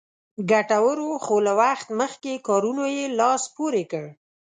ګټورو خو له وخت مخکې کارونو یې لاس پورې کړ.